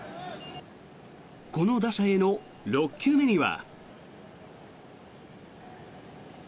この打者への６球目には。